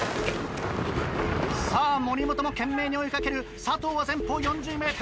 さぁ森本も懸命に追い掛ける佐藤は前方４０ｍ。